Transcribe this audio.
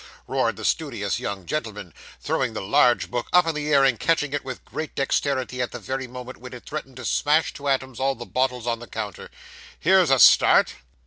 roared the studious young gentleman, throwing the large book up into the air, and catching it with great dexterity at the very moment when it threatened to smash to atoms all the bottles on the counter. 'Here's a start!